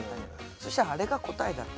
そしたらあれが答えだった。